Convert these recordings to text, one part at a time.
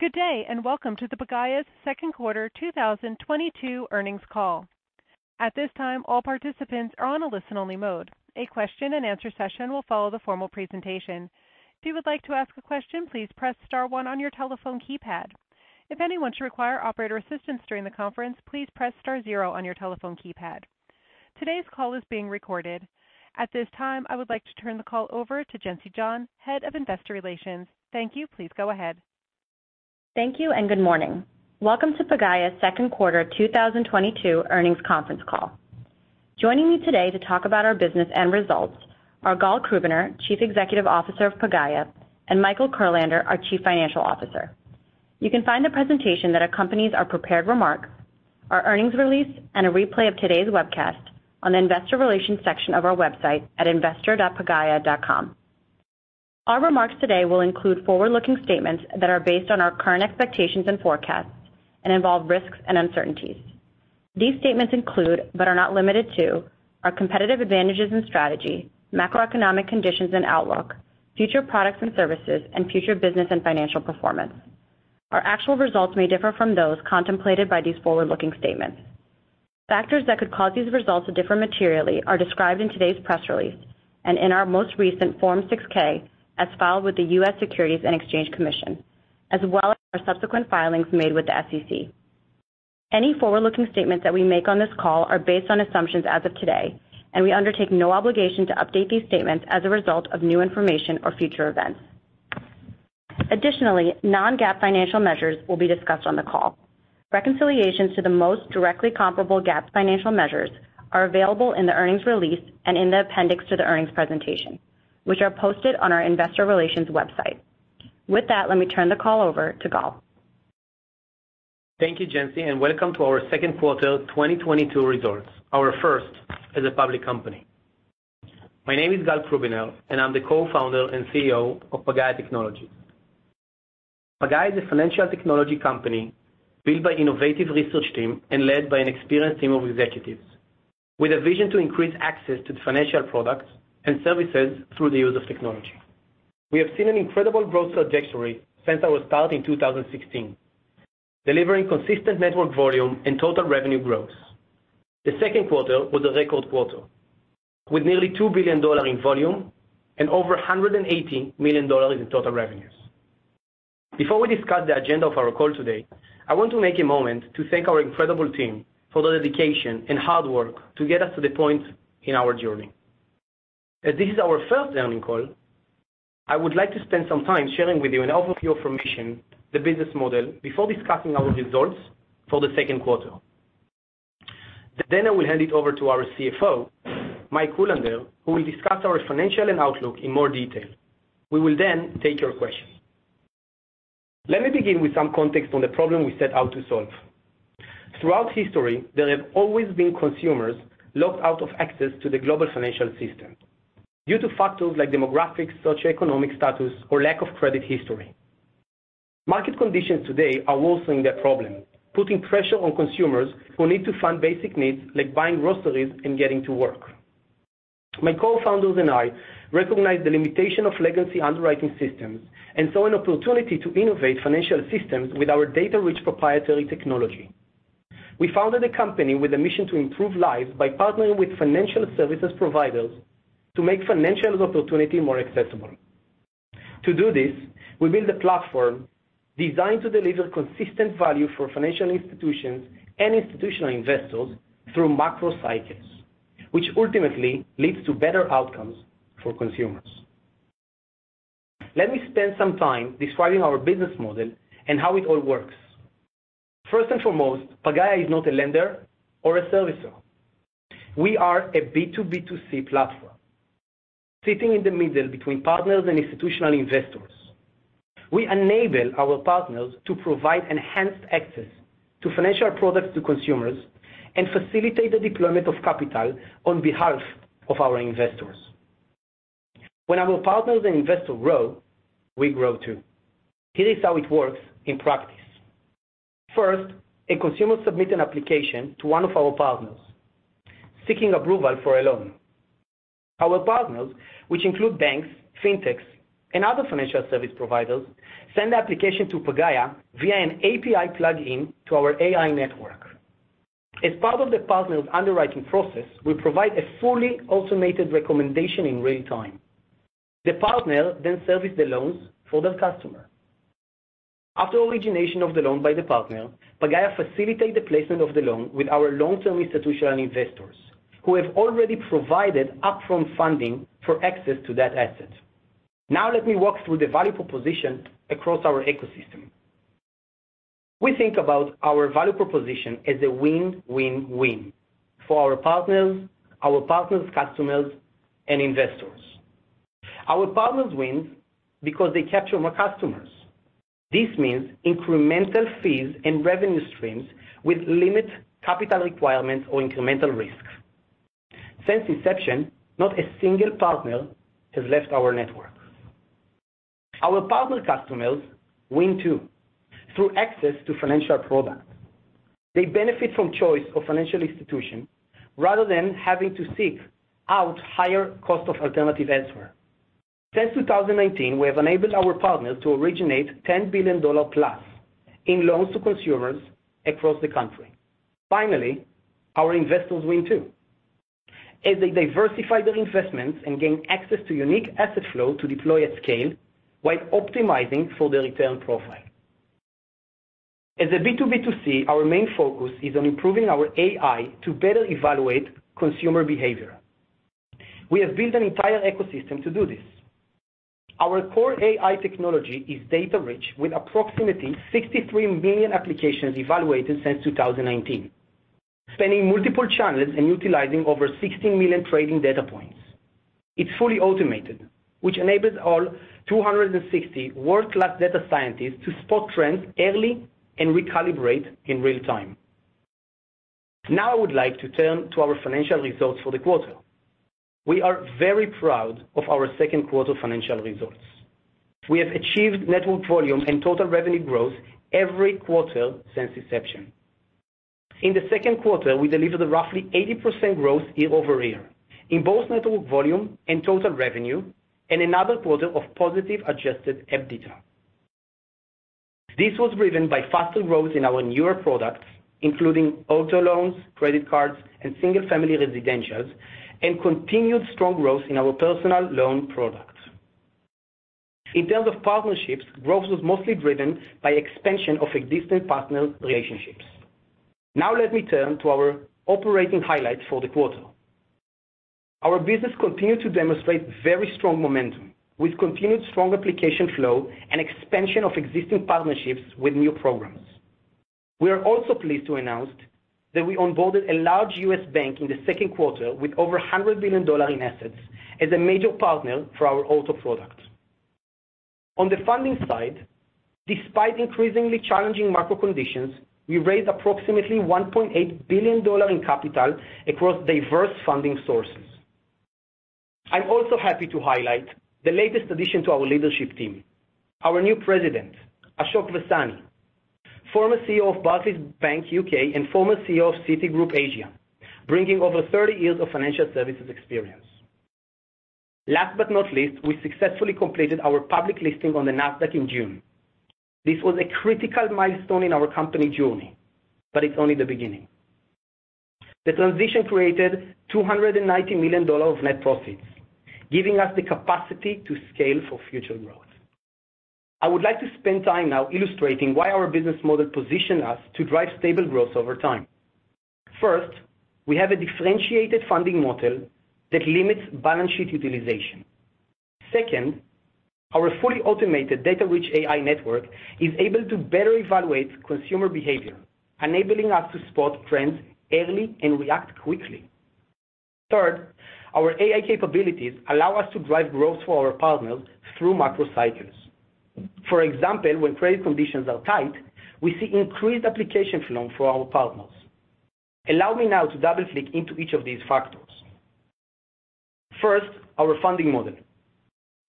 Good day, and welcome to Pagaya's second quarter 2022 earnings call. At this time, all participants are on a listen-only mode. A question-and-answer session will follow the formal presentation. If you would like to ask a question, please press star one on your telephone keypad. If anyone should require operator assistance during the conference, please press star zero on your telephone keypad. Today's call is being recorded. At this time, I would like to turn the call over to Jency John, Head of Investor Relations. Thank you. Please go ahead. Thank you and good morning. Welcome to Pagaya's second quarter 2022 earnings conference call. Joining me today to talk about our business and results are Gal Krubiner, Chief Executive Officer of Pagaya, and Michael Kurlander, our Chief Financial Officer. You can find the presentation that accompanies our prepared remarks, our earnings release, and a replay of today's webcast on the investor relations section of our website at investor.pagaya.com. Our remarks today will include forward-looking statements that are based on our current expectations and forecasts and involve risks and uncertainties. These statements include, but are not limited to our competitive advantages and strategy, macroeconomic conditions and outlook, future products and services, and future business and financial performance. Our actual results may differ from those contemplated by these forward-looking statements. Factors that could cause these results to differ materially are described in today's press release and in our most recent Form 6-K as filed with the U.S. Securities and Exchange Commission, as well as our subsequent filings made with the SEC. Any forward-looking statements that we make on this call are based on assumptions as of today, and we undertake no obligation to update these statements as a result of new information or future events. Additionally, non-GAAP financial measures will be discussed on the call. Reconciliations to the most directly comparable GAAP financial measures are available in the earnings release and in the appendix to the earnings presentation, which are posted on our investor relations website. With that, let me turn the call over to Gal. Thank you, Jency, and welcome to our second quarter 2022 results, our first as a public company. My name is Gal Krubiner, and I'm the Co-founder and CEO of Pagaya Technologies. Pagaya is a financial technology company built by innovative research team and led by an experienced team of executives with a vision to increase access to financial products and services through the use of technology. We have seen an incredible growth trajectory since our start in 2016, delivering consistent Network Volume and total revenue growth. The second quarter was a record quarter with nearly $2 billion in volume and over $180 million in total revenues. Before we discuss the agenda of our call today, I want to take a moment to thank our incredible team for their dedication and hard work to get us to the point in our journey. As this is our first earnings call, I would like to spend some time sharing with you an overview information, the business model before discussing our results for the second quarter. I will hand it over to our CFO, Mike Kurlander, who will discuss our financials and outlook in more detail. We will then take your questions. Let me begin with some context on the problem we set out to solve. Throughout history, there have always been consumers locked out of access to the global financial system due to factors like demographics, such as economic status or lack of credit history. Market conditions today are worsening that problem, putting pressure on consumers who need to fund basic needs like buying groceries and getting to work. My co-founders and I recognized the limitation of legacy underwriting systems and saw an opportunity to innovate financial systems with our data-rich proprietary technology. We founded a company with a mission to improve lives by partnering with financial services providers to make financial opportunity more accessible. To do this, we built a platform designed to deliver consistent value for financial institutions and institutional investors through macro cycles, which ultimately leads to better outcomes for consumers. Let me spend some time describing our business model and how it all works. First and foremost, Pagaya is not a lender or a servicer. We are a B2B2C platform, sitting in the middle between partners and institutional investors. We enable our partners to provide enhanced access to financial products to consumers and facilitate the deployment of capital on behalf of our investors. When our partners and investors grow, we grow too. Here is how it works in practice. First, a consumer submits an application to one of our partners seeking approval for a loan. Our partners, which include banks, fintechs, and other financial service providers, send the application to Pagaya via an API plugin to our AI network. As part of the partner's underwriting process, we provide a fully automated recommendation in real time. The partner then services the loans for the customer. After origination of the loan by the partner, Pagaya facilitates the placement of the loan with our long-term institutional investors who have already provided upfront funding for access to that asset. Now let me walk through the value proposition across our ecosystem. We think about our value proposition as a win-win-win for our partners, our partners' customers, and investors. Our partners win because they capture more customers. This means incremental fees and revenue streams with limited capital requirements or incremental risk. Since inception, not a single partner has left our network. Our partner customers win, too, through access to financial products. They benefit from choice of financial institution rather than having to seek out higher-cost alternatives. Since 2019, we have enabled our partners to originate $10 billion plus in loans to consumers across the country. Finally, our investors win too as they diversify their investments and gain access to unique asset flow to deploy at scale while optimizing for the return profile. As a B2B2C, our main focus is on improving our AI to better evaluate consumer behavior. We have built an entire ecosystem to do this. Our core AI technology is data-rich, with approximately 63 million applications evaluated since 2019, spanning multiple channels and utilizing over 16 million training data points. It's fully automated, which enables all 260 world-class data scientists to spot trends early and recalibrate in real-time. Now, I would like to turn to our financial results for the quarter. We are very proud of our second quarter financial results. We have achieved network volume and total revenue growth every quarter since inception. In the second quarter, we delivered a roughly 80% growth year-over-year in both network volume and total revenue, and another quarter of positive adjusted EBITDA. This was driven by faster growth in our newer products, including auto loans, credit cards, and single-family residential, and continued strong growth in our personal loan products. In terms of partnerships, growth was mostly driven by expansion of existing partner relationships. Now let me turn to our operating highlights for the quarter. Our business continued to demonstrate very strong momentum with continued strong application flow and expansion of existing partnerships with new programs. We are also pleased to announce that we onboarded a large U.S. bank in the second quarter with over $100 billion in assets as a major partner for our auto product. On the funding side, despite increasingly challenging macro conditions, we raised approximately $1.8 billion in capital across diverse funding sources. I'm also happy to highlight the latest addition to our leadership team, our new president, Ashok Vaswani, former CEO of Barclays Bank UK and former CEO of Citigroup Asia, bringing over 30 years of financial services experience. Last but not least, we successfully completed our public listing on the Nasdaq in June. This was a critical milestone in our company journey, but it's only the beginning. The transition created $290 million of net profits, giving us the capacity to scale for future growth. I would like to spend time now illustrating why our business model positioned us to drive stable growth over time. First, we have a differentiated funding model that limits balance sheet utilization. Second, our fully automated data-rich AI network is able to better evaluate consumer behavior, enabling us to spot trends early and react quickly. Third, our AI capabilities allow us to drive growth for our partners through macro cycles. For example, when credit conditions are tight, we see increased application flow for our partners. Allow me now to double-click into each of these factors. First, our funding model.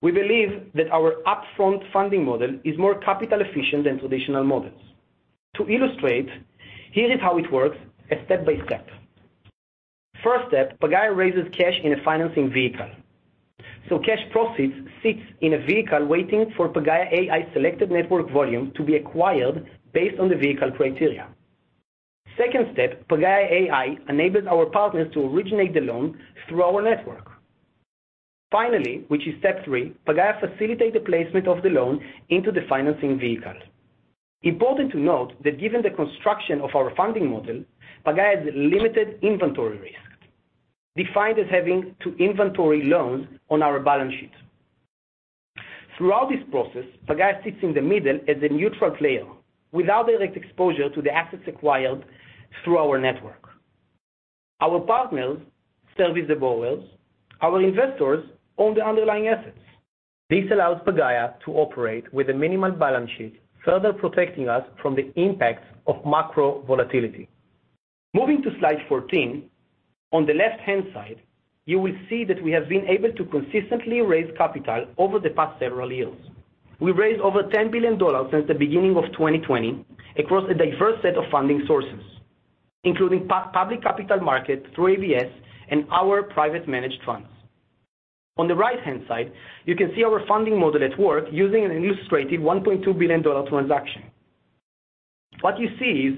We believe that our upfront funding model is more capital efficient than traditional models. To illustrate, here is how it works step-by-step. First step, Pagaya raises cash in a financing vehicle. Cash proceeds sit in a vehicle waiting for Pagaya AI selected network volume to be acquired based on the vehicle criteria. Second step, Pagaya AI enables our partners to originate the loan through our network. Finally, which is step three, Pagaya facilitates the placement of the loan into the financing vehicle. Important to note that given the construction of our funding model, Pagaya has limited inventory risk, defined as having to inventory loans on our balance sheet. Throughout this process, Pagaya sits in the middle as a neutral player without direct exposure to the assets acquired through our network. Our partners service the borrowers, our investors own the underlying assets. This allows Pagaya to operate with a minimal balance sheet, further protecting us from the impacts of macro volatility. Moving to slide 14, on the left-hand side, you will see that we have been able to consistently raise capital over the past several years. We raised over $10 billion since the beginning of 2020 across a diverse set of funding sources, including public capital markets through ABS and our private managed funds. On the right-hand side, you can see our funding model at work using an illustrated $1.2 billion transaction. What you see is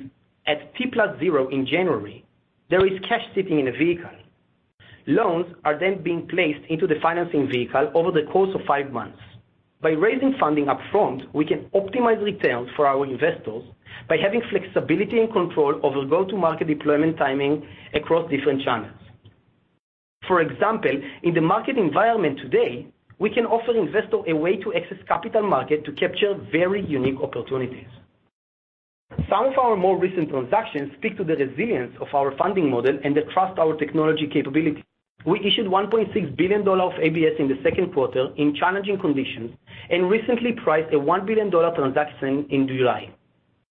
at T+0 in January, there is cash sitting in a vehicle. Loans are then being placed into the financing vehicle over the course of five months. By raising funding upfront, we can optimize returns for our investors by having flexibility and control over go-to-market deployment timing across different channels. For example, in the market environment today, we can offer investor a way to access capital market to capture very unique opportunities. Some of our more recent transactions speak to the resilience of our funding model and the trust our technology capability. We issued $1.6 billion of ABS in the second quarter in challenging conditions, and recently priced a $1 billion transaction in July,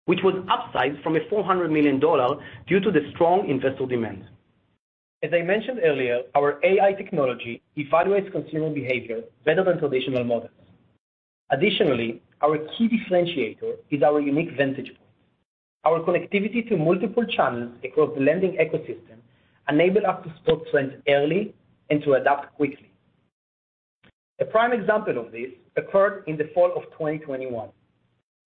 which was upsized from a $400 million due to the strong investor demand. As I mentioned earlier, our AI technology evaluates consumer behavior better than traditional models. Additionally, our key differentiator is our unique vantage point. Our connectivity to multiple channels across the lending ecosystem enable us to spot trends early and to adapt quickly. A prime example of this occurred in the fall of 2021,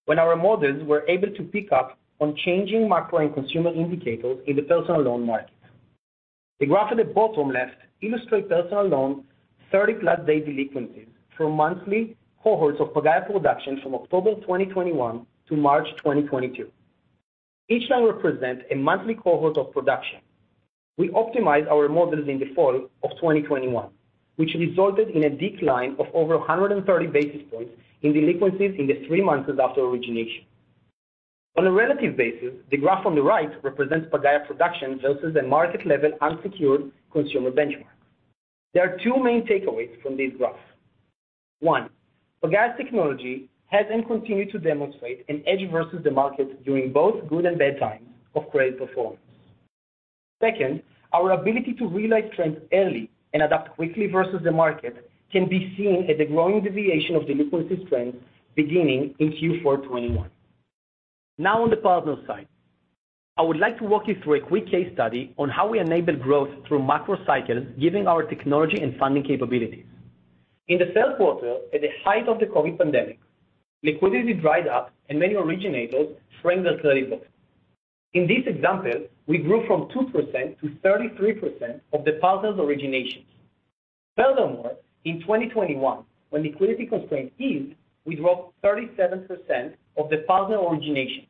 when our models were able to pick up on changing macro and consumer indicators in the personal loan market. The graph at the bottom left illustrates personal loan 30+ day delinquencies for monthly cohorts of Pagaya production from October 2021 to March 2022. Each line represents a monthly cohort of production. We optimized our models in the fall of 2021, which resulted in a decline of over 130 basis points in delinquencies in the three months after origination. On a relative basis, the graph on the right represents Pagaya production versus a market level unsecured consumer benchmark. There are two main takeaways from these graphs. One, Pagaya's technology has and continue to demonstrate an edge versus the market during both good and bad times of credit performance. Second, our ability to realize trends early and adapt quickly versus the market can be seen as a growing deviation of delinquency trends beginning in Q4 2021. Now on the partner side, I would like to walk you through a quick case study on how we enable growth through macro cycles given our technology and funding capabilities. In the third quarter, at the height of the COVID pandemic, liquidity dried up and many originators shrank their credit books. In this example, we grew from 2% to 33% of the partner's originations. Furthermore, in 2021, when liquidity constraints eased, we drove 37% of the partner originations.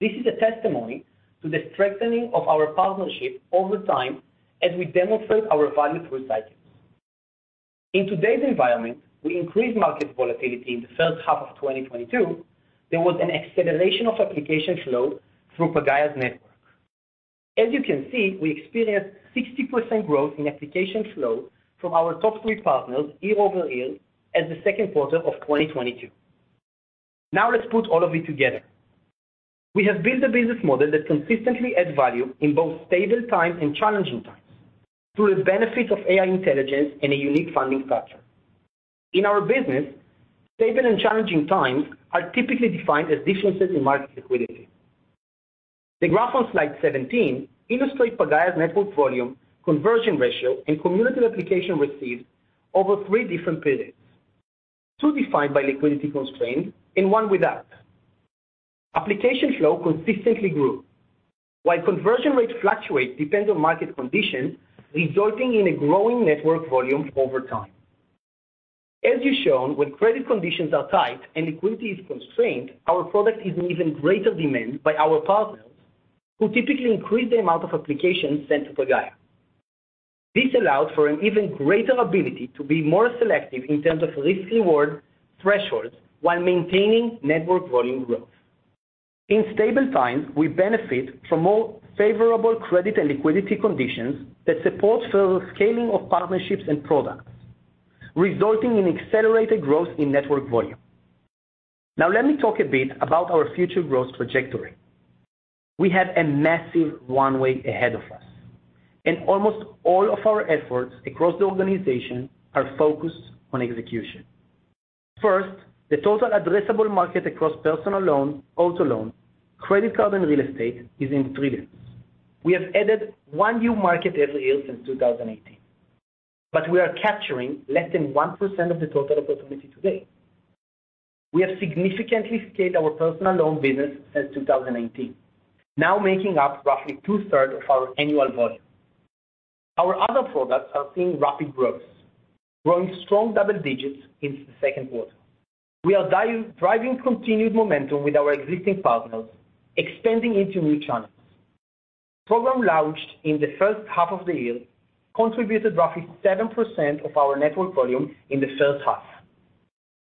This is a testimony to the strengthening of our partnership over time as we demonstrate our value through cycles. In today's environment, with increased market volatility in the first half of 2022, there was an acceleration of application flow through Pagaya's network. As you can see, we experienced 60% growth in application flow from our top three partners year-over-year in the second quarter of 2022. Now let's put all of it together. We have built a business model that consistently adds value in both stable times and challenging times through the benefits of AI intelligence and a unique funding structure. In our business, stable and challenging times are typically defined as differences in market liquidity. The graph on slide 17 illustrates Pagaya's network volume conversion ratio and cumulative applications received over three different periods, two defined by liquidity constraints and one without. Application flow consistently grew. While conversion rates fluctuate, depending on market conditions, resulting in a growing network volume over time. As you've shown, when credit conditions are tight and liquidity is constrained, our product is in even greater demand by our partners who typically increase the amount of applications sent to Pagaya. This allows for an even greater ability to be more selective in terms of risk-reward thresholds while maintaining network volume growth. In stable times, we benefit from more favorable credit and liquidity conditions that support further scaling of partnerships and products, resulting in accelerated growth in network volume. Now let me talk a bit about our future growth trajectory. We have a massive runway ahead of us, and almost all of our efforts across the organization are focused on execution. First, the total addressable market across personal loans, auto loans, credit card, and real estate is in the trillions. We have added one new market every year since 2018, but we are capturing less than 1% of the total opportunity today. We have significantly scaled our personal loan business since 2018, now making up roughly two-thirds of our annual volume. Our other products are seeing rapid growth, growing strong double digits into the second quarter. We are driving continued momentum with our existing partners, expanding into new channels. Programs launched in the first half of the year contributed roughly 7% of our network volume in the first half.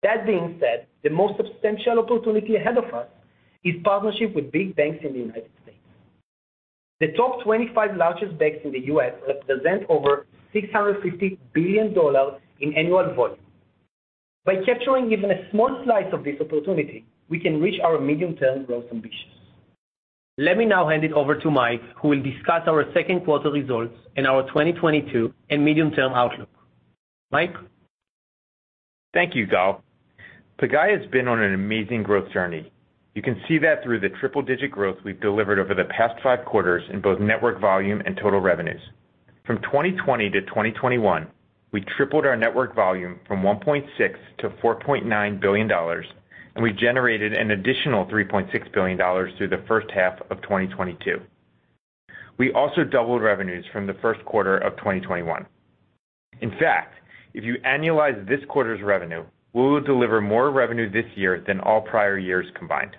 That being said, the most substantial opportunity ahead of us is partnership with big banks in the United States. The top 25 largest banks in the U.S. represent over $650 billion in annual volume. By capturing even a small slice of this opportunity, we can reach our medium-term growth ambitions. Let me now hand it over to Mike, who will discuss our second quarter results and our 2022 and medium-term outlook. Mike? Thank you, Gal. Pagaya has been on an amazing growth journey. You can see that through the triple-digit growth we've delivered over the past 5 quarters in both network volume and total revenues. From 2020 to 2021, we tripled our network volume from $1.6 billion to $4.9 billion, and we generated an additional $3.6 billion through the first half of 2022. We also doubled revenues from the first quarter of 2021. In fact, if you annualize this quarter's revenue, we will deliver more revenue this year than all prior years combined.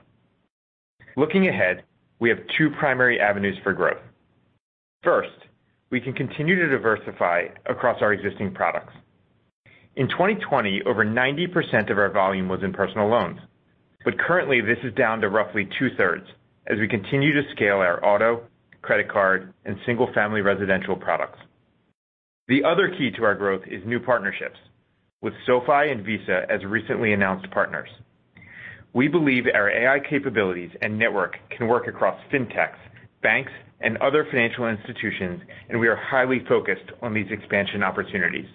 Looking ahead, we have 2 primary avenues for growth. First, we can continue to diversify across our existing products. In 2020, over 90% of our volume was in personal loans, but currently, this is down to roughly two-thirds as we continue to scale our auto, credit card, and single-family residential products. The other key to our growth is new partnerships with SoFi and Visa as recently announced partners. We believe our AI capabilities and network can work across fintechs, banks and other financial institutions, and we are highly focused on these expansion opportunities.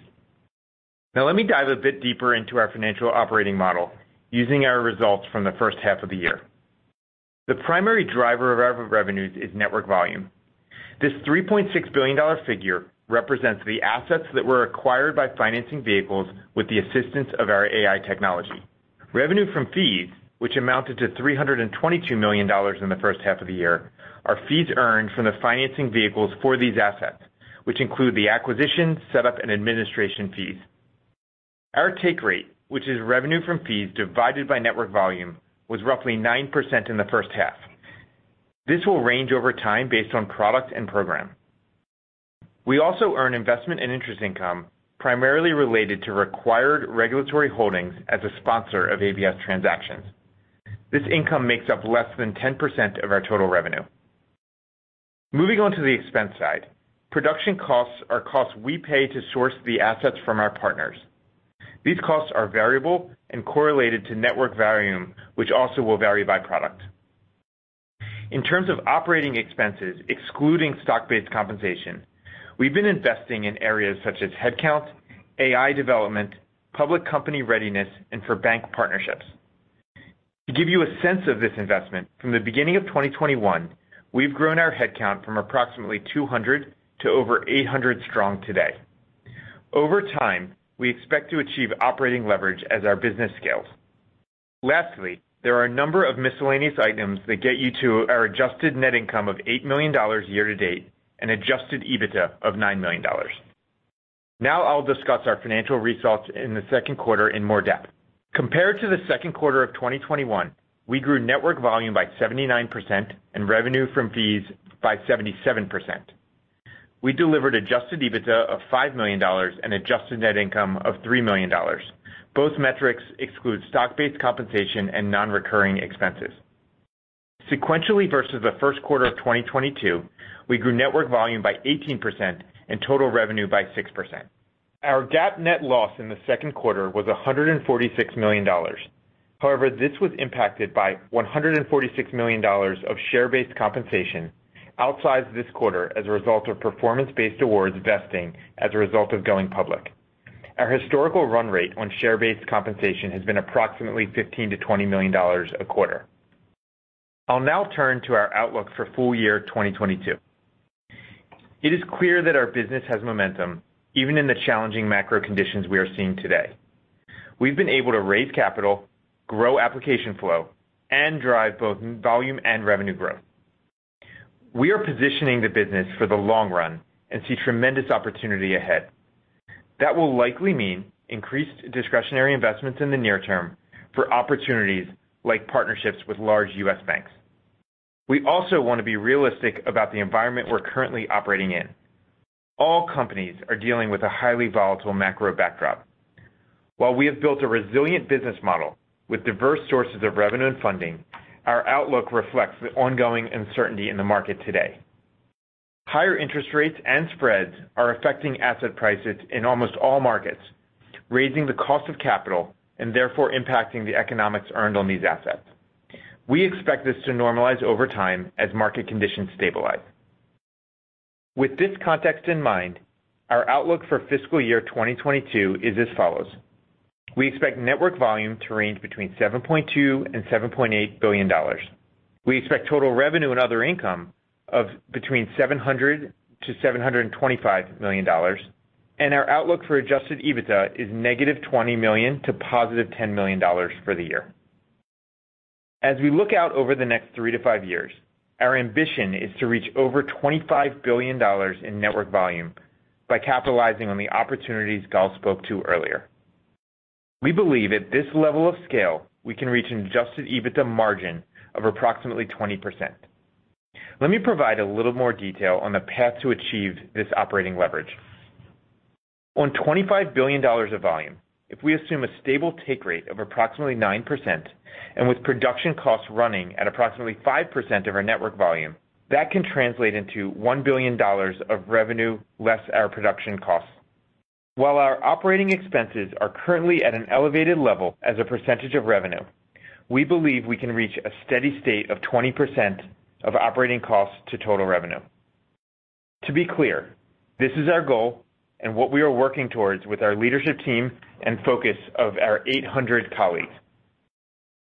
Now let me dive a bit deeper into our financial operating model using our results from the first half of the year. The primary driver of our revenues is network volume. This $3.6 billion figure represents the assets that were acquired by financing vehicles with the assistance of our AI technology. Revenue from fees, which amounted to $322 million in the first half of the year, are fees earned from the financing vehicles for these assets, which include the acquisition, setup and administration fees. Our take rate, which is revenue from fees divided by network volume, was roughly 9% in the first half. This will range over time based on product and program. We also earn investment and interest income primarily related to required regulatory holdings as a sponsor of ABS transactions. This income makes up less than 10% of our total revenue. Moving on to the expense side. Production costs are costs we pay to source the assets from our partners. These costs are variable and correlated to network volume, which also will vary by product. In terms of operating expenses, excluding stock-based compensation, we've been investing in areas such as headcount, AI development, public company readiness, and for bank partnerships. To give you a sense of this investment, from the beginning of 2021, we've grown our headcount from approximately 200 to over 800 strong today. Over time, we expect to achieve operating leverage as our business scales. Lastly, there are a number of miscellaneous items that get you to our adjusted net income of $8 million year to date and adjusted EBITDA of $9 million. Now I'll discuss our financial results in the second quarter in more depth. Compared to the second quarter of 2021, we grew Network Volume by 79% and revenue from fees by 77%. We delivered adjusted EBITDA of $5 million and adjusted net income of $3 million. Both metrics exclude stock-based compensation and non-recurring expenses. Sequentially versus the first quarter of 2022, we grew network volume by 18% and total revenue by 6%. Our GAAP net loss in the second quarter was $146 million. However, this was impacted by $146 million of stock-based compensation outsized this quarter as a result of performance-based awards vesting as a result of going public. Our historical run rate on stock-based compensation has been approximately $15-$20 million a quarter. I'll now turn to our outlook for full year 2022. It is clear that our business has momentum, even in the challenging macro conditions we are seeing today. We've been able to raise capital, grow application flow, and drive both volume and revenue growth. We are positioning the business for the long run and see tremendous opportunity ahead. That will likely mean increased discretionary investments in the near term for opportunities like partnerships with large U.S. banks. We also want to be realistic about the environment we're currently operating in. All companies are dealing with a highly volatile macro backdrop. While we have built a resilient business model with diverse sources of revenue and funding, our outlook reflects the ongoing uncertainty in the market today. Higher interest rates and spreads are affecting asset prices in almost all markets, raising the cost of capital and therefore impacting the economics earned on these assets. We expect this to normalize over time as market conditions stabilize. With this context in mind, our outlook for fiscal year 2022 is as follows. We expect network volume to range between $7.2 billion and $7.8 billion. We expect total revenue and other income of between $700 million to $725 million. Our outlook for adjusted EBITDA is negative $20 million to positive $10 million for the year. As we look out over the next three to five years, our ambition is to reach over $25 billion in network volume by capitalizing on the opportunities Gal spoke to earlier. We believe at this level of scale, we can reach an adjusted EBITDA margin of approximately 20%. Let me provide a little more detail on the path to achieve this operating leverage. On $25 billion of volume, if we assume a stable take rate of approximately 9% and with production costs running at approximately 5% of our network volume, that can translate into $1 billion of revenue less our production costs. While our operating expenses are currently at an elevated level as a percentage of revenue, we believe we can reach a steady state of 20% of operating costs to total revenue. To be clear, this is our goal and what we are working towards with our leadership team and focus of our 800 colleagues.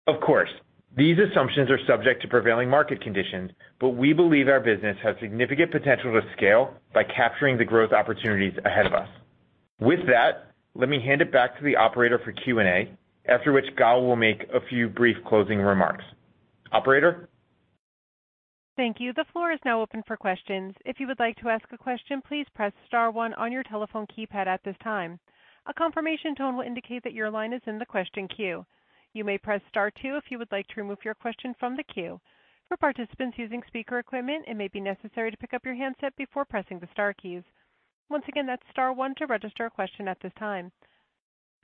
Of course, these assumptions are subject to prevailing market conditions, but we believe our business has significant potential to scale by capturing the growth opportunities ahead of us. With that, let me hand it back to the operator for Q&A, after which Gal will make a few brief closing remarks. Operator? Thank you. The floor is now open for questions. If you would like to ask a question, please press star one on your telephone keypad at this time. A confirmation tone will indicate that your line is in the question queue. You may press star two if you would like to remove your question from the queue. For participants using speaker equipment, it may be necessary to pick up your handset before pressing the star keys. Once again, that's star one to register a question at this time.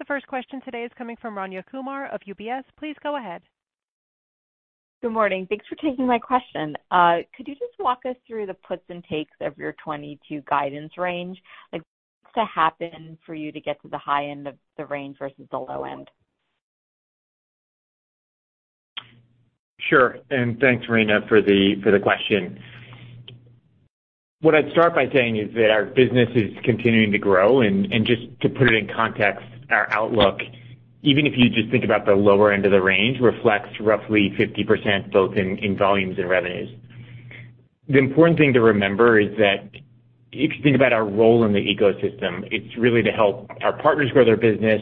The first question today is coming from Rayna Kumar of UBS. Please go ahead. Good morning. Thanks for taking my question. Could you just walk us through the puts and takes of your 2022 guidance range? Like what's to happen for you to get to the high end of the range versus the low end? Sure. Thanks, Rayna, for the question. What I'd start by saying is that our business is continuing to grow, and just to put it in context, our outlook, even if you just think about the lower end of the range, reflects roughly 50% both in volumes and revenues. The important thing to remember is that if you think about our role in the ecosystem, it's really to help our partners grow their business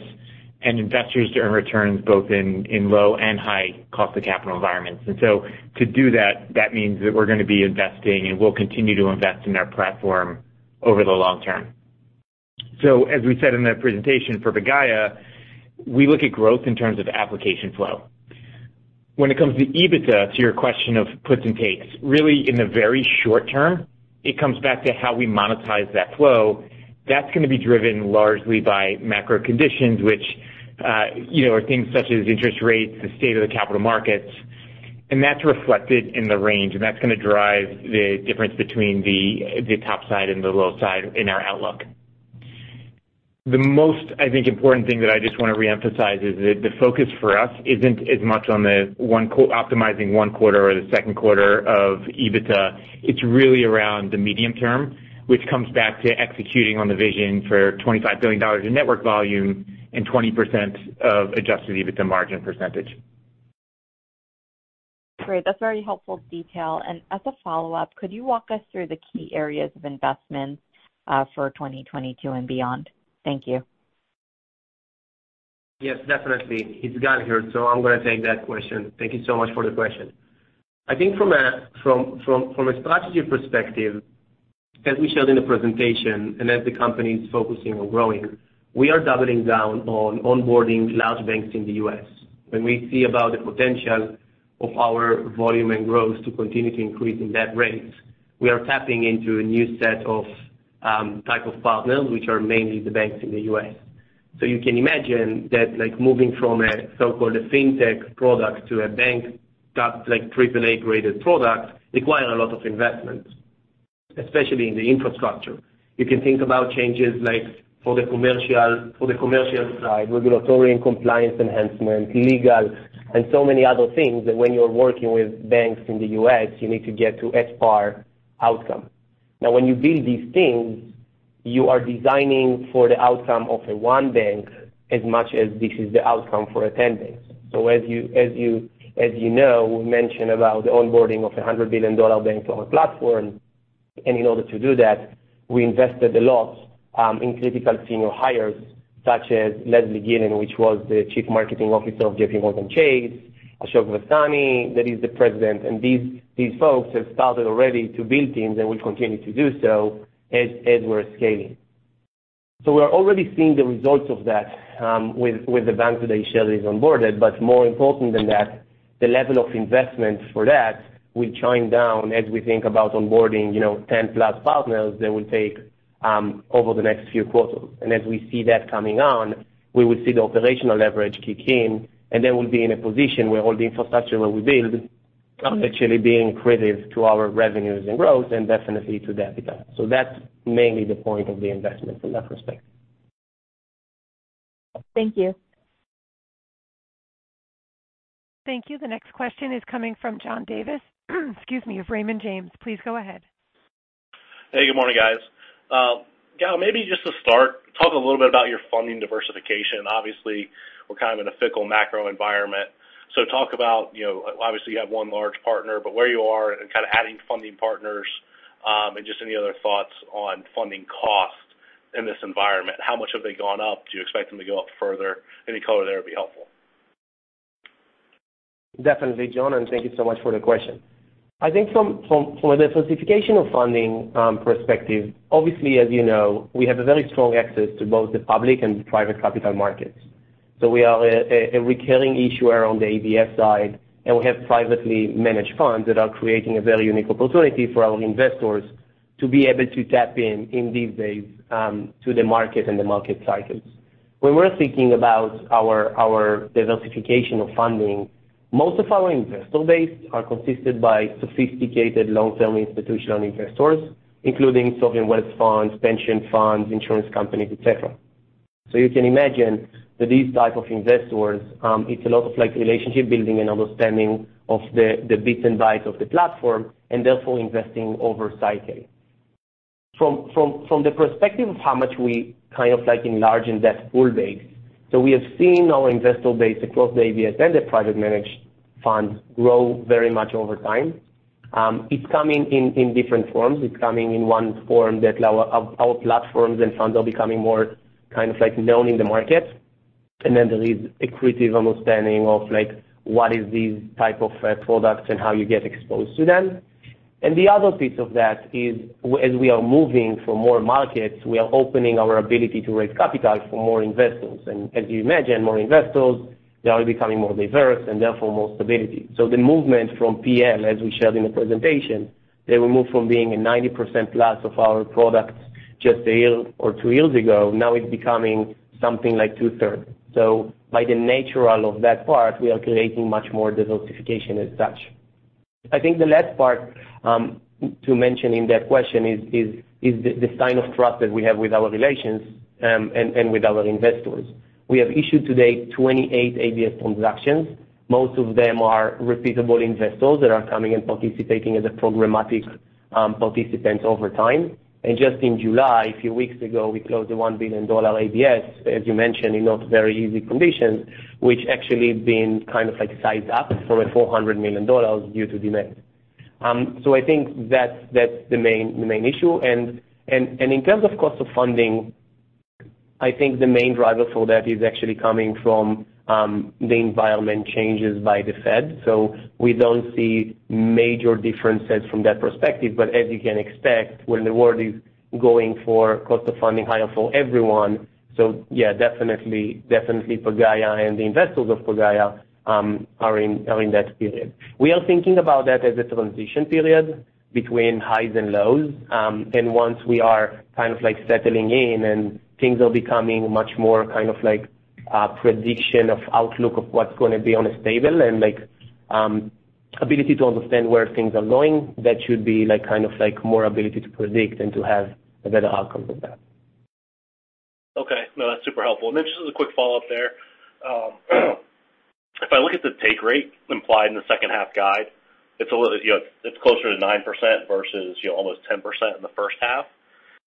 and investors to earn returns both in low and high cost of capital environments. To do that means that we're gonna be investing, and we'll continue to invest in our platform over the long term. As we said in the presentation for Pagaya, we look at growth in terms of application flow. When it comes to EBITDA, to your question of puts and takes, really, in the very short term, it comes back to how we monetize that flow. That's gonna be driven largely by macro conditions, which, you know, are things such as interest rates, the state of the capital markets, and that's reflected in the range, and that's gonna drive the difference between the top side and the low side in our outlook. The most, I think, important thing that I just wanna reemphasize is that the focus for us isn't as much on optimizing one quarter or the second quarter of EBITDA. It's really around the medium term, which comes back to executing on the vision for $25 billion in network volume and 20% adjusted EBITDA margin percentage. Great. That's very helpful detail. As a follow-up, could you walk us through the key areas of investment for 2022 and beyond? Thank you. Yes, definitely. It's Gal here, so I'm gonna take that question. Thank you so much for the question. I think from a strategy perspective, as we showed in the presentation and as the company is focusing on growing, we are doubling down on onboarding large banks in the U.S. When we see about the potential of our volume and growth to continue to increase in that range, we are tapping into a new set of type of partners, which are mainly the banks in the U.S. You can imagine that, like, moving from a so-called Fintech product to a bank-backed, like, triple-A graded product require a lot of investment, especially in the infrastructure. You can think about changes like for the commercial side, regulatory and compliance enhancement, legal, and so many other things that when you're working with banks in the US, you need to get to SBAR outcome. Now, when you build these things, you are designing for the outcome of one bank as much as this is the outcome for 10 banks. So as you know, we mentioned about the onboarding of a $100 billion bank on our platform, and in order to do that, we invested a lot in critical senior hires, such as Leslie Gillin, which was the Chief Marketing Officer of JPMorgan Chase, Ashok Vaswani, that is the President. These folks have started already to build teams, and will continue to do so as we're scaling. We're already seeing the results of that, with the bank that they showed is onboarded. More important than that, the level of investments for that will come down as we think about onboarding, you know, 10+ partners that will take over the next few quarters. As we see that coming on, we will see the operational leverage kick in, and then we'll be in a position where all the infrastructure where we build are actually being accretive to our revenues and growth and definitely to the EBITDA. That's mainly the point of the investment from that perspective. Thank you. Thank you. The next question is coming from John Hecht, excuse me, of Raymond James. Please go ahead. Hey, good morning, guys. Gal, maybe just to start, talk a little bit about your funding diversification. Obviously, we're kind of in a fickle macro environment. Talk about, you know, obviously, you have one large partner, but where you are and kind of adding funding partners, and just any other thoughts on funding costs in this environment. How much have they gone up? Do you expect them to go up further? Any color there would be helpful. Definitely, John, and thank you so much for the question. I think from a diversification of funding perspective, obviously, as you know, we have a very strong access to both the public and private capital markets. We are a recurring issuer on the ABS side, and we have privately managed funds that are creating a very unique opportunity for our investors to be able to tap in these days to the market and the market cycles. When we're thinking about our diversification of funding, most of our investor base are consisted by sophisticated long-term institutional investors, including sovereign wealth funds, pension funds, insurance companies, et cetera. You can imagine that these type of investors, it's a lot of like relationship building and understanding of the bits and bytes of the platform, and therefore investing over cycling. From the perspective of how much we kind of like enlarge in that full base, so we have seen our investor base across the ABS and the private managed funds grow very much over time. It's coming in different forms. It's coming in one form that our platforms and funds are becoming more kind of like known in the market. Then there is accretive understanding of, like, what these types of products and how you get exposed to them. The other piece of that is as we are moving to more markets, we are opening our ability to raise capital for more investors. As you imagine, more investors, they are becoming more diverse and therefore more stability. The movement from PM, as we showed in the presentation, they will move from being a 90% plus of our products just a year or two years ago, now it's becoming something like two-thirds. By the nature of that part, we are creating much more diversification as such. I think the last part to mention in that question is the sign of trust that we have with our relations and with our investors. We have issued to date 28 ABS transactions. Most of them are repeat investors that are coming and participating as a programmatic participant over time. Just in July, a few weeks ago, we closed a $1 billion ABS, as you mentioned, in not very easy conditions, which actually been kind of like sized up from a $400 million due to demand. I think that's the main issue. In terms of cost of funding, I think the main driver for that is actually coming from the environment changes by the Fed. We don't see major differences from that perspective. As you can expect, when the world is going for cost of funding higher for everyone, yeah, definitely Pagaya and the investors of Pagaya are in that period. We are thinking about that as a transition period between highs and lows. Once we are kind of like settling in and things are becoming much more kind of like, prediction of outlook of what's gonna be on a stable and like, ability to understand where things are going, that should be like kind of like more ability to predict and to have a better outcome with that. Okay. No, that's super helpful. Just as a quick follow-up there. If I look at the take rate implied in the second half guide, it's a little. You know, it's closer to 9% versus, you know, almost 10% in the first half.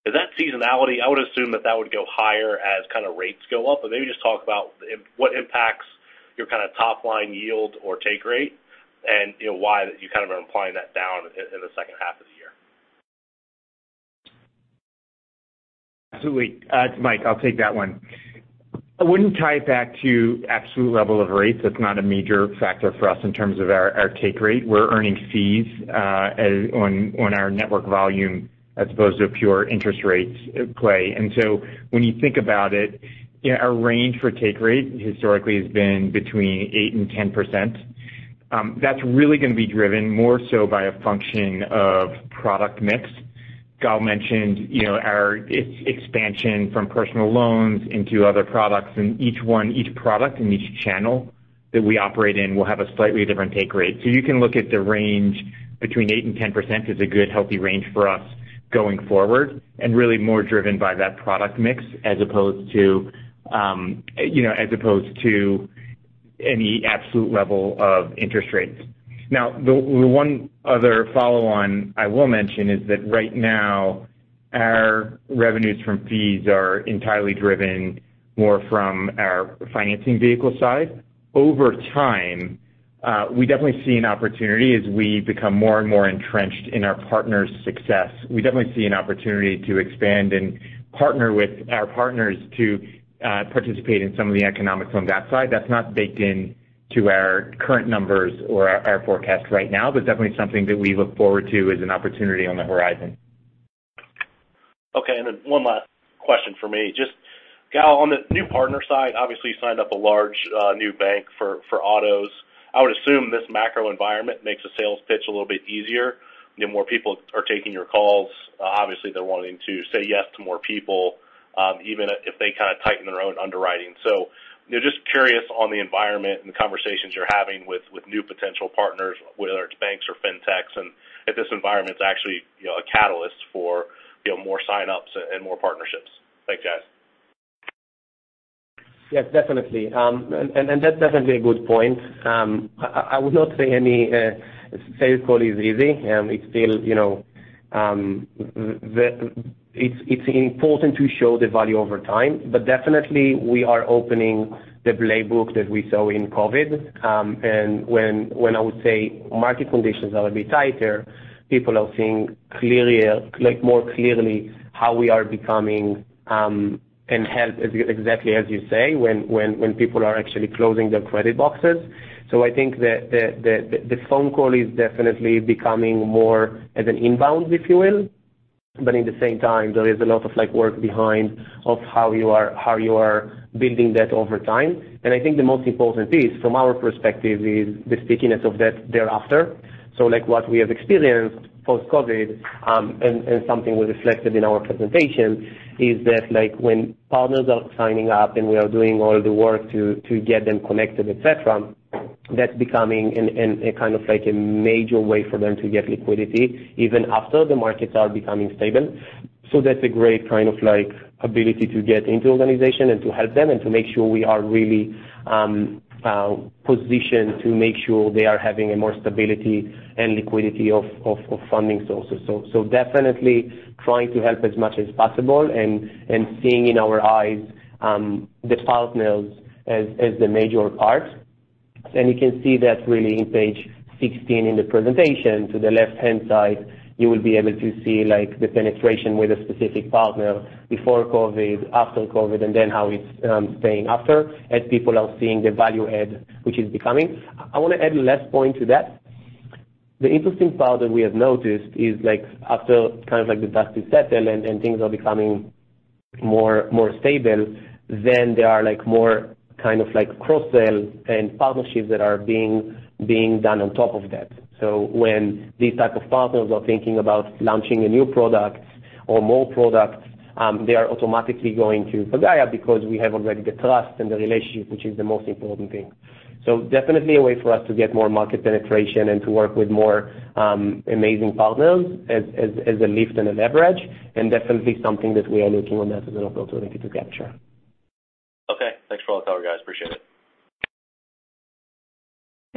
Is that seasonality? I would assume that would go higher as kind of rates go up. Maybe just talk about what impacts your kind of top line yield or take rate and, you know, why you kind of are implying that down in the second half of the year. Absolutely. It's Mike, I'll take that one. I wouldn't tie it back to absolute level of rates. That's not a major factor for us in terms of our take rate. We're earning fees on our network volume as opposed to a pure interest rates at play. When you think about it, you know, our range for take rate historically has been between 8%-10%. That's really gonna be driven more so by a function of product mix. Gal mentioned, you know, our expansion from personal loans into other products, and each product and each channel that we operate in will have a slightly different take rate. You can look at the range between 8% and 10% as a good, healthy range for us going forward, and really more driven by that product mix as opposed to, you know, any absolute level of interest rates. Now, the one other follow on I will mention is that right now our revenues from fees are entirely driven more from our financing vehicle side. Over time, we definitely see an opportunity as we become more and more entrenched in our partners' success. We definitely see an opportunity to expand and partner with our partners to participate in some of the economics on that side. That's not baked in to our current numbers or our forecast right now, but definitely something that we look forward to as an opportunity on the horizon. Okay. One last question for me. Just, Gal, on the new partner side, obviously, you signed up a large, new bank for autos. I would assume this macro environment makes the sales pitch a little bit easier, you know, more people are taking your calls. Obviously, they're wanting to say yes to more people, even if they kinda tighten their own underwriting. You know, just curious on the environment and the conversations you're having with new potential partners, whether it's banks or fintechs, and if this environment is actually, you know, a catalyst for, you know, more sign-ups and more partnerships. Thanks, guys. Yes, definitely. That's definitely a good point. I would not say any sales call is easy. It's still, you know, important to show the value over time, but definitely we are opening the playbook that we saw in COVID. When I would say market conditions are a bit tighter, people are seeing clearer, like more clearly how we are becoming and help, exactly as you say, when people are actually closing their credit boxes. I think the phone call is definitely becoming more as an inbound, if you will. In the same time, there is a lot of like work behind of how you are building that over time. I think the most important piece from our perspective is the stickiness of that thereafter. Like what we have experienced post-COVID, and something we reflected in our presentation is that like when partners are signing up and we are doing all the work to get them connected, et cetera, that's becoming a kind of like a major way for them to get liquidity even after the markets are becoming stable. That's a great kind of like ability to get into organization and to help them and to make sure we are really positioned to make sure they are having a more stability and liquidity of funding sources. Definitely trying to help as much as possible and seeing in our eyes the partners as the major part. You can see that really in page sixteen in the presentation to the left-hand side, you will be able to see like the penetration with a specific partner before COVID, after COVID, and then how it's staying after as people are seeing the value add which is becoming. I wanna add last point to that. The interesting part that we have noticed is like after kind of like the dust is settled and things are becoming more stable, then there are like more kind of like cross sell and partnerships that are being done on top of that. So when these type of partners are thinking about launching a new product or more products, they are automatically going to Pagaya because we have already the trust and the relationship, which is the most important thing. Definitely a way for us to get more market penetration and to work with more amazing partners as a lift and a leverage, and definitely something that we are looking at that as an opportunity to capture. Okay.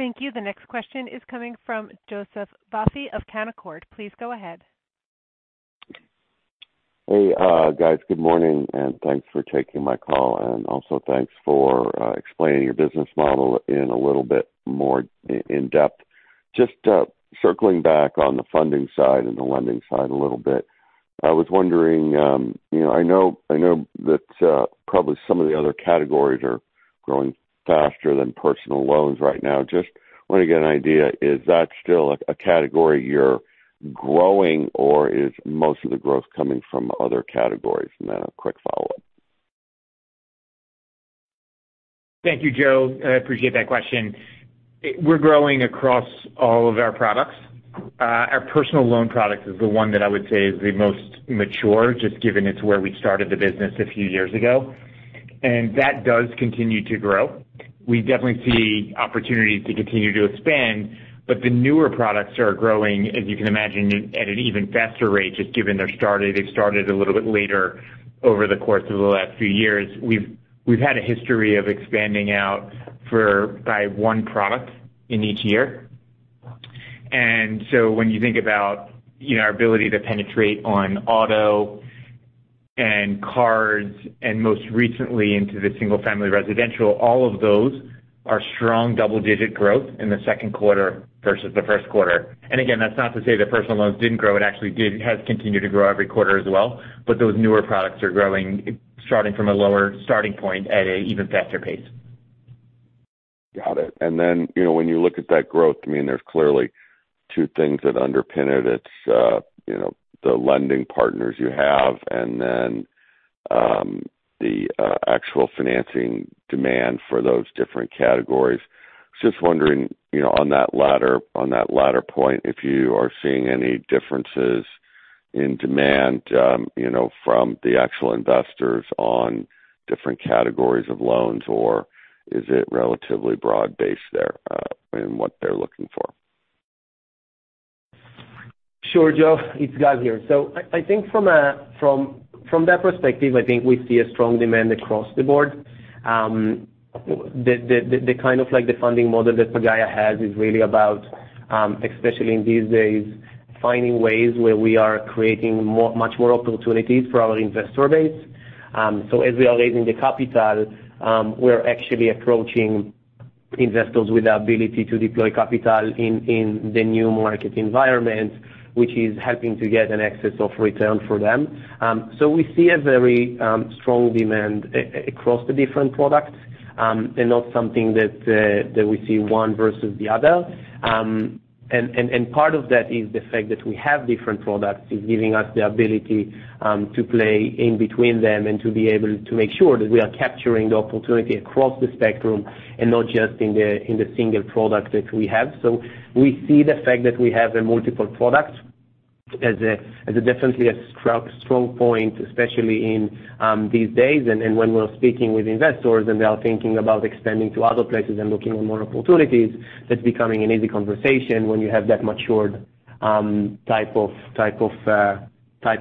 Thanks for all the color, guys. Appreciate it. Thank you. The next question is coming from Joseph Vafi of Canaccord. Please go ahead. Hey, guys. Good morning, and thanks for taking my call. Also thanks for explaining your business model in a little bit more in-depth. Just circling back on the funding side and the lending side a little bit, I was wondering, you know, I know that probably some of the other categories are growing faster than personal loans right now. Just want to get an idea, is that still a category you're growing or is most of the growth coming from other categories? Then a quick follow-up. Thank you, Joe. I appreciate that question. We're growing across all of our products. Our personal loan product is the one that I would say is the most mature, just given it's where we started the business a few years ago. That does continue to grow. We definitely see opportunities to continue to expand, but the newer products are growing, as you can imagine, at an even faster rate, just given they started a little bit later over the course of the last few years. We've had a history of expanding by one product in each year. When you think about, you know, our ability to penetrate on auto and cards and most recently into the single-family residential, all of those are strong double-digit growth in the second quarter versus the first quarter. Again, that's not to say that personal loans didn't grow. It actually did. It has continued to grow every quarter as well. Those newer products are growing, starting from a lower starting point at an even faster pace. Got it. You know, when you look at that growth, I mean, there's clearly two things that underpin it. It's, you know, the lending partners you have and then, the actual financing demand for those different categories. Just wondering, you know, on that latter point, if you are seeing any differences in demand, you know, from the actual investors on different categories of loans, or is it relatively broad-based there, in what they're looking for? Sure, Joe. It's Gal here. I think from that perspective, I think we see a strong demand across the board. The kind of like the funding model that Pagaya has is really about, especially in these days, finding ways where we are creating much more opportunities for our investor base. As we are raising the capital, we're actually approaching investors with the ability to deploy capital in the new market environment, which is helping to get an excess of return for them. We see a very strong demand across the different products, and not something that we see one versus the other. Part of that is the fact that we have different products is giving us the ability to play in between them and to be able to make sure that we are capturing the opportunity across the spectrum and not just in the single product that we have. We see the fact that we have multiple products as a definite strong point, especially in these days. When we're speaking with investors and they are thinking about expanding to other places and looking at more opportunities, that's becoming an easy conversation when you have that mature type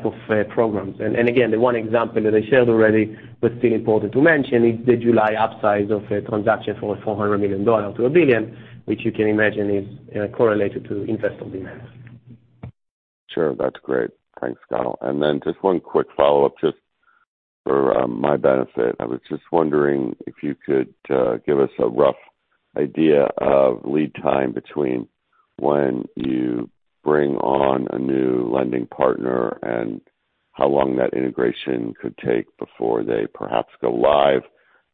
of programs. Again, the one example that I shared already, but still important to mention, is the July upsize of a transaction for $400 million to $1 billion, which you can imagine is correlated to investor demands. Sure. That's great. Thanks, Gal. Just one quick follow-up, just for my benefit. I was just wondering if you could give us a rough idea of lead time between when you bring on a new lending partner and how long that integration could take before they perhaps go live.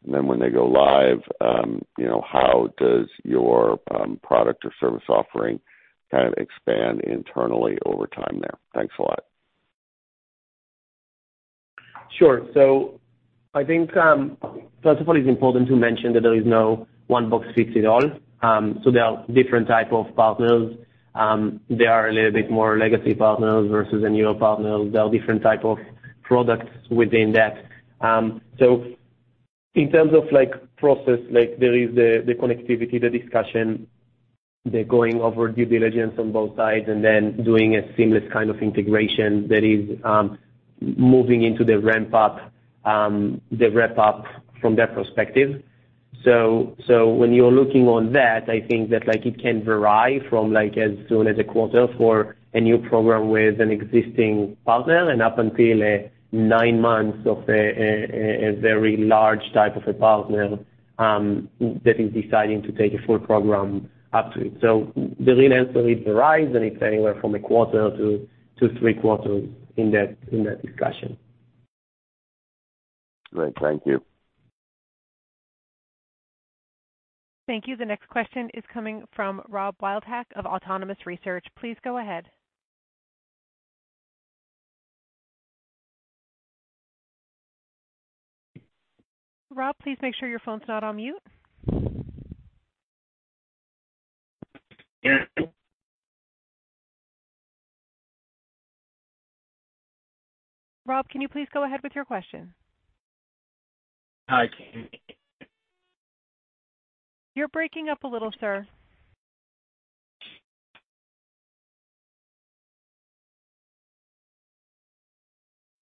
When they go live, you know, how does your product or service offering kind of expand internally over time there? Thanks a lot. Sure. I think first of all, it's important to mention that there is no one-size-fits-all. There are different type of partners. There are a little bit more legacy partners versus the newer partners. There are different type of products within that. In terms of like process, like there is the connectivity, the discussion, the going over due diligence on both sides, and then doing a seamless kind of integration that is moving into the ramp-up from their perspective. When you're looking on that, I think that like it can vary from like as soon as a quarter for a new program with an existing partner and up until nine months of a very large type of a partner that is deciding to take a full program up to. The real answer is it varies, and it's anywhere from a quarter to three quarters in that discussion. Great. Thank you. Thank you. The next question is coming from Robert Wildhack of Autonomous Research. Please go ahead. Rob, please make sure your phone's not on mute. Rob, can you please go ahead with your question? I can. You're breaking up a little, sir.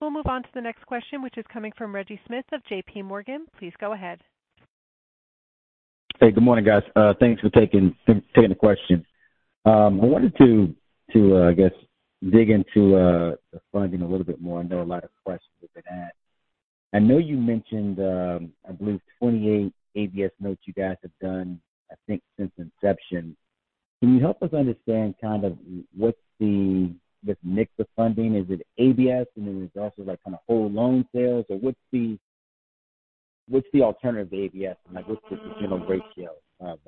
We'll move on to the next question, which is coming from Reginald Smith of JP Morgan. Please go ahead. Hey, good morning, guys. Thanks for taking the question. I wanted to, I guess, dig into the funding a little bit more. I know a lot of questions have been asked. I know you mentioned, I believe 28 ABS notes you guys have done, I think, since inception. Can you help us understand kind of what's this mix of funding? Is it ABS and then there's also, like, kind of whole loan sales? Or what's the alternative to ABS? And, like, what's just the general ratio of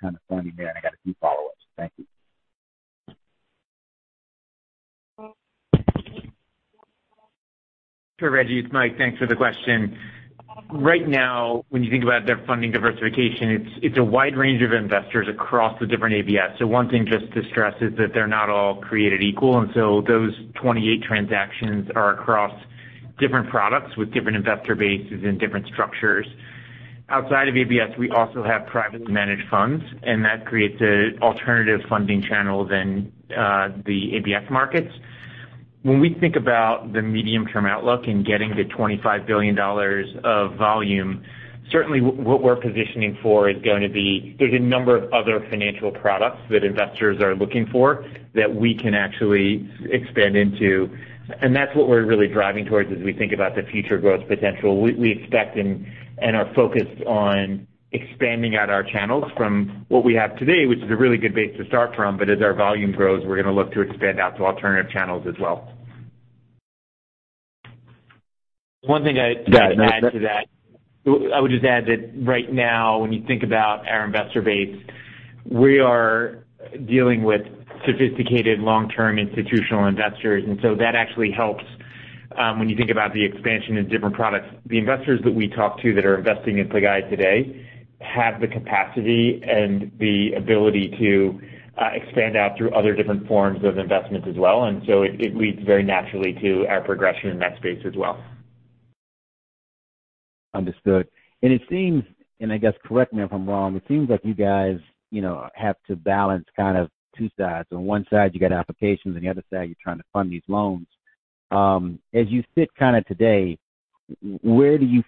kind of funding there? And I got a few follow-ups. Thank you. Sure, Reggie, it's Mike. Thanks for the question. Right now, when you think about their funding diversification, it's a wide range of investors across the different ABS. One thing just to stress is that they're not all created equal. Those 28 transactions are across different products with different investor bases and different structures. Outside of ABS, we also have privately managed funds, and that creates an alternative funding channel to the ABS markets. When we think about the medium-term outlook and getting to $25 billion of volume, certainly what we're positioning for is going to be. There's a number of other financial products that investors are looking for that we can actually expand into. That's what we're really driving towards as we think about the future growth potential. We expect and are focused on expanding out our channels from what we have today, which is a really good base to start from, but as our volume grows, we're gonna look to expand out to alternative channels as well. One thing I'd add to that. I would just add that right now, when you think about our investor base, we are dealing with sophisticated long-term institutional investors, and so that actually helps when you think about the expansion in different products. The investors that we talk to that are investing in Pagaya today have the capacity and the ability to expand out through other different forms of investments as well. It leads very naturally to our progression in that space as well. Understood. It seems, and I guess, correct me if I'm wrong, it seems like you guys, you know, have to balance kind of two sides. On one side, you got applications, on the other side, you're trying to fund these loans. As you sit kinda today, where do you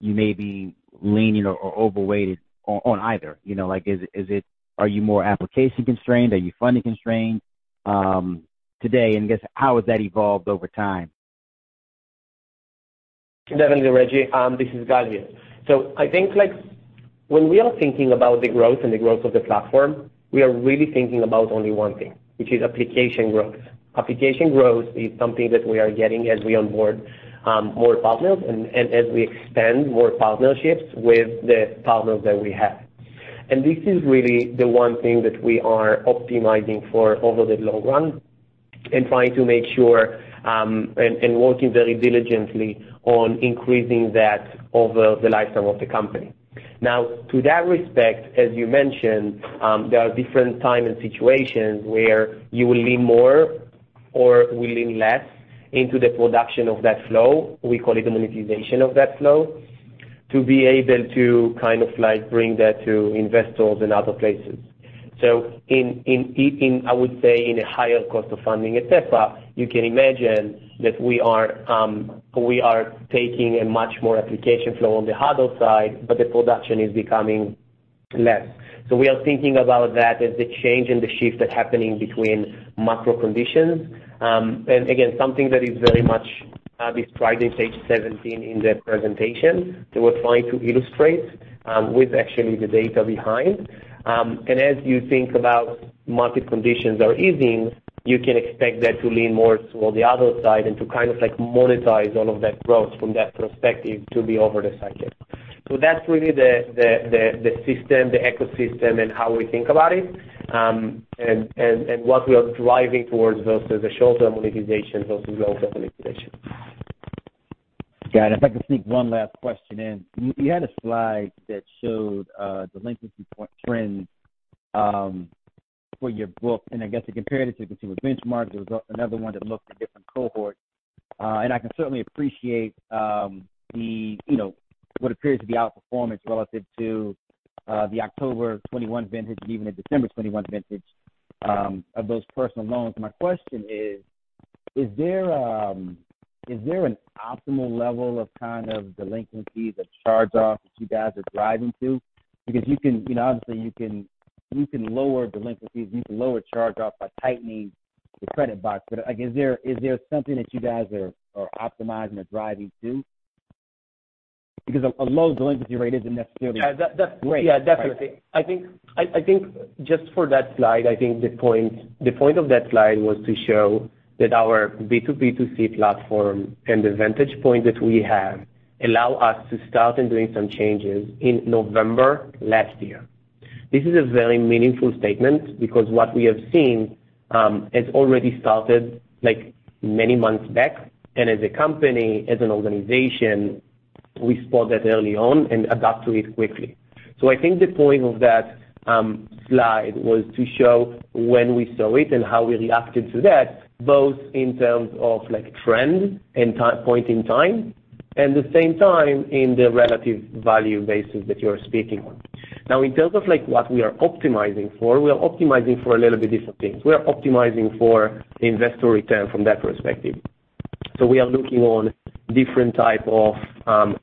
feel you may be leaning or overweighted on either? You know, like, is it? Are you more application constrained? Are you funding constrained today? I guess how has that evolved over time? Definitely, Reggie, this is Gal here. I think, like, when we are thinking about the growth of the platform, we are really thinking about only one thing, which is application growth. Application growth is something that we are getting as we onboard more partners and as we expand more partnerships with the partners that we have. This is really the one thing that we are optimizing for over the long run and trying to make sure and working very diligently on increasing that over the lifetime of the company. Now, to that respect, as you mentioned, there are different times and situations where you will lean more or will lean less into the production of that flow. We call it the monetization of that flow, to be able to kind of, like, bring that to investors and other places. In a higher cost of funding at TEFA, you can imagine that we are taking a much more application flow on the hurdle side, but the production is becoming less. We are thinking about that as the change and the shift that's happening between macro conditions. Again, something that is very much described in page 17 in the presentation that we're trying to illustrate with actually the data behind. As you think about market conditions are easing, you can expect that to lean more toward the other side and to kind of, like, monetize all of that growth from that perspective to be over the cycle. That's really the system, the ecosystem and how we think about it, and what we are driving towards both as a short-term monetization, both as long-term monetization. Got it. If I can sneak one last question in. You had a slide that showed delinquency rate trends for your book, and I guess it compared it to consumer benchmarks. There was another one that looked at different cohorts. I can certainly appreciate the, you know, what appears to be outperformance relative to the October 2021 vintage and even the December 2021 vintage of those personal loans. My question is there an optimal level of kind of delinquencies or charge-offs that you guys are driving to? Because you can, you know, obviously, lower delinquencies, you can lower charge-offs by tightening the credit box. But, like, is there something that you guys are optimizing or driving to? Because a low delinquency rate isn't necessarily That, that's- -great. Yeah, definitely. I think just for that slide, I think the point of that slide was to show that our B2B2C platform and the vantage point that we have allow us to start in doing some changes in November last year. This is a very meaningful statement because what we have seen has already started like many months back. As a company, as an organization, we spot that early on and adapt to it quickly. I think the point of that slide was to show when we saw it and how we reacted to that, both in terms of like trend and point in time, and at the same time in the relative value basis that you're speaking on. Now, in terms of like what we are optimizing for, we are optimizing for a little bit different things. We are optimizing for investor return from that perspective. We are looking on different type of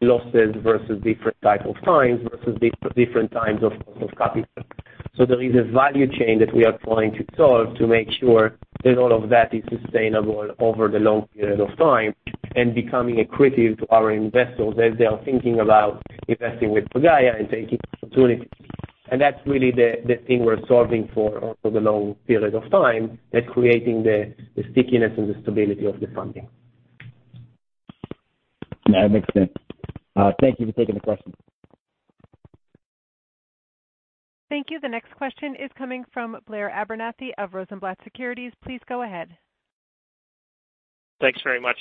losses versus different type of types versus different types of capital. There is a value chain that we are trying to solve to make sure that all of that is sustainable over the long period of time and becoming accretive to our investors as they are thinking about investing with Pagaya and taking opportunity. That's really the thing we're solving for over the long period of time, that creating the stickiness and the stability of the funding. No, it makes sense. Thank you for taking the question. Thank you. The next question is coming from Blair Abernethy of Rosenblatt Securities. Please go ahead. Thanks very much.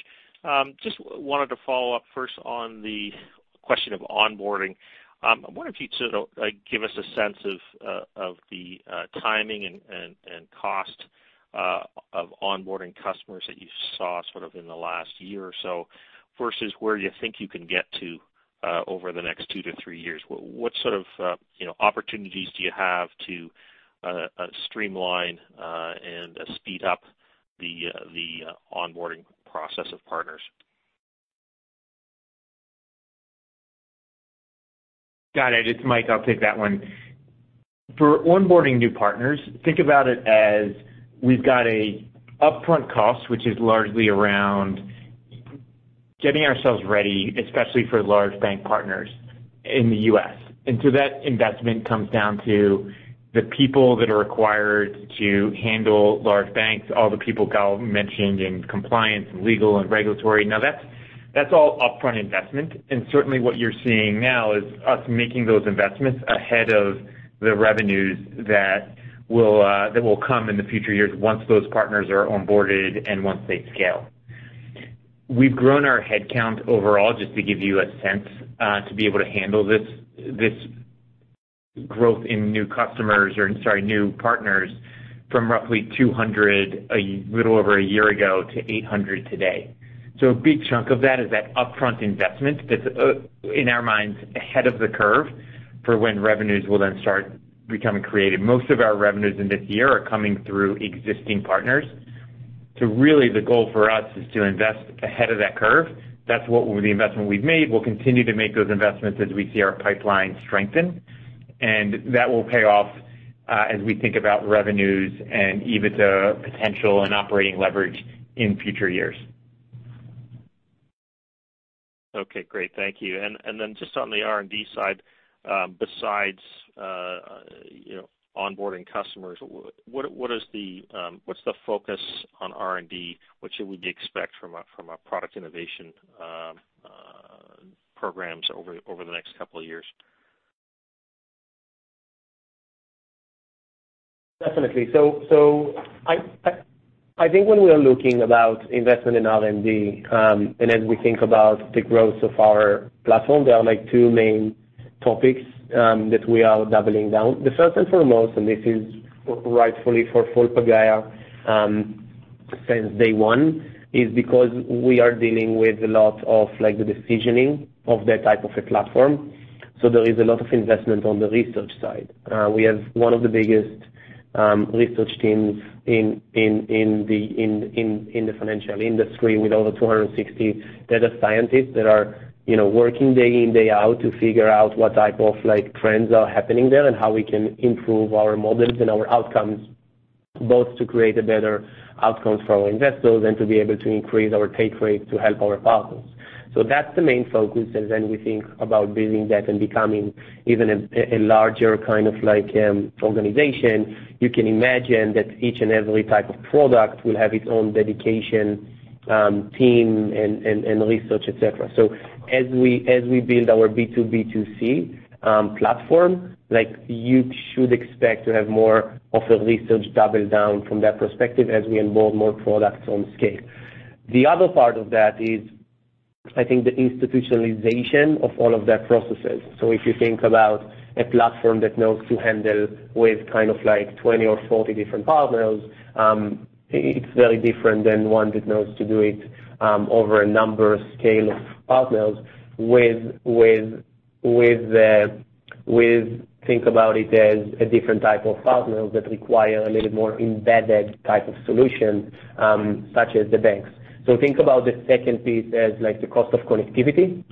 Just wanted to follow up first on the question of onboarding. I wonder if you'd sort of like give us a sense of the timing and cost of onboarding customers that you saw sort of in the last year or so versus where you think you can get to over the next two to three years. What sort of, you know, opportunities do you have to streamline and speed up the onboarding process of partners? Got it. It's Mike. I'll take that one. For onboarding new partners, think about it as we've got an upfront cost, which is largely around getting ourselves ready, especially for large bank partners in the U.S. That investment comes down to the people that are required to handle large banks, all the people Gal mentioned in compliance and legal and regulatory. Now that's all upfront investment. Certainly what you're seeing now is us making those investments ahead of the revenues that will come in the future years once those partners are onboarded and once they scale. We've grown our head count overall, just to give you a sense, to be able to handle this growth in new customers or, sorry, new partners from roughly 200 a little over a year ago to 800 today. A big chunk of that is that upfront investment that's, in our minds, ahead of the curve for when revenues will then start becoming created. Most of our revenues in this year are coming through existing partners. Really the goal for us is to invest ahead of that curve. That's what the investment we've made. We'll continue to make those investments as we see our pipeline strengthen, and that will pay off as we think about revenues and EBITDA potential and operating leverage in future years. Okay, great. Thank you. Then just on the R&D side, besides, you know, onboarding customers, what's the focus on R&D? What should we expect from a product innovation programs over the next couple of years? Definitely. I think when we are looking about investment in R&D, and as we think about the growth of our platform, there are like two main topics that we are doubling down. The first and foremost, and this is rightfully for full Pagaya, since day one, is because we are dealing with a lot of like the decisioning of that type of a platform. There is a lot of investment on the research side. We have one of the biggest research teams in the financial industry with over 260 data scientists that are, you know, working day in, day out to figure out what type of like trends are happening there and how we can improve our models and our outcomes, both to create a better outcomes for our investors and to be able to increase our take rate to help our partners. That's the main focus. We think about building that and becoming even a larger kind of like organization. You can imagine that each and every type of product will have its own dedicated team and research, etc. As we build our B2B2C platform, like you should expect to have more of a resource double down from that perspective as we onboard more products on scale. The other part of that is, I think the institutionalization of all of that processes. If you think about a platform that knows to handle with kind of like 20 or 40 different partners, it's very different than one that knows to do it over a number scale of partners with think about it as a different type of partners that require a little more embedded type of solution, such as the banks. Think about the second piece as like the cost of connectivity.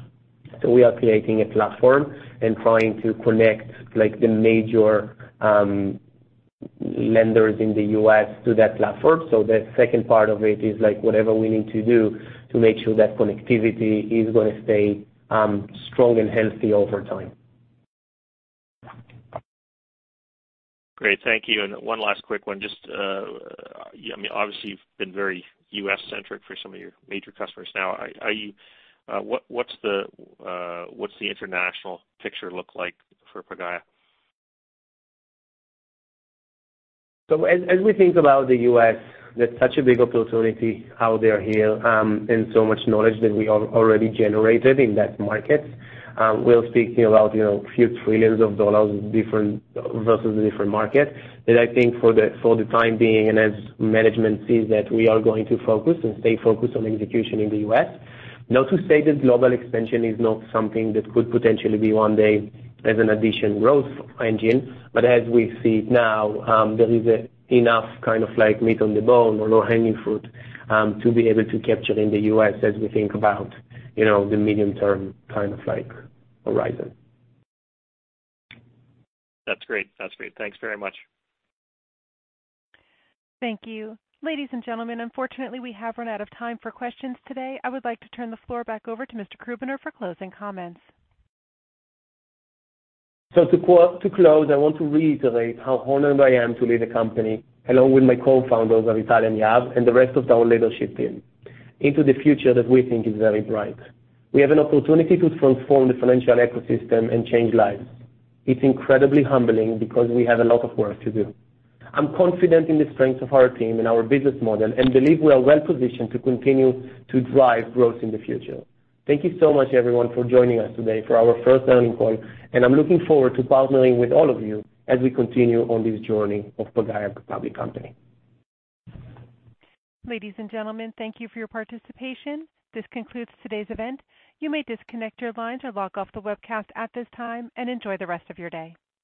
We are creating a platform and trying to connect like the major lenders in the U.S. to that platform. The second part of it is like whatever we need to do to make sure that connectivity is gonna stay strong and healthy over time. Great. Thank you. One last quick one. Just, I mean, obviously you've been very US-centric for some of your major customers now. What's the international picture look like for Pagaya? We think about the U.S., that's such a big opportunity, how they are here, and so much knowledge that we already generated in that market. We're speaking about, you know, a few trillions of dollars different versus the different markets. I think for the time being and as management sees that we are going to focus and stay focused on execution in the U.S. Not to say that global expansion is not something that could potentially be one day as an additional growth engine. As we see it now, there is enough kind of like meat on the bone or low-hanging fruit to be able to capture in the U.S. as we think about, you know, the medium-term kind of like horizon. That's great. Thanks very much. Thank you. Ladies and gentlemen, unfortunately, we have run out of time for questions today. I would like to turn the floor back over to Mr. Krubiner for closing comments. To close, I want to reiterate how honored I am to lead a company, along with my co-founders, Avital and Yahav, and the rest of our leadership team, into the future that we think is very bright. We have an opportunity to transform the financial ecosystem and change lives. It's incredibly humbling because we have a lot of work to do. I'm confident in the strength of our team and our business model and believe we are well-positioned to continue to drive growth in the future. Thank you so much, everyone, for joining us today for our first earnings call, and I'm looking forward to partnering with all of you as we continue on this journey of Pagaya public company. Ladies and gentlemen, thank you for your participation. This concludes today's event. You may disconnect your lines or log off the webcast at this time and enjoy the rest of your day.